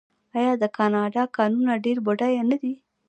آیا د کاناډا کانونه ډیر بډایه نه دي؟